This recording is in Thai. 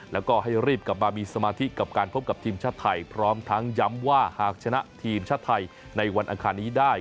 แล้วก็ให้รีบกลับมามีสมาธิกับการพบกับทีมชาติไทยพร้อมทั้งย้ำว่าหากชนะทีมชาติไทยในวันอังคารนี้ได้